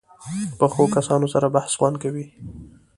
پخو کسانو سره بحث خوند کوي